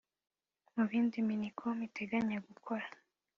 Mu bindi Minicom iteganya gukora